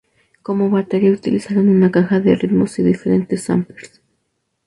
Como batería utilizaron una caja de ritmos y diferentes "samplers".